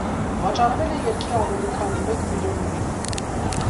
Վաճառվել է երգի ավելի քան մեկ միլիոն օրինակ։